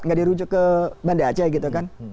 tidak dirujuk ke bandar aja gitu kan